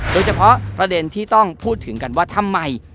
โดยเฉพาะประเด็นที่ต้องพูดถึงกันว่าทำไม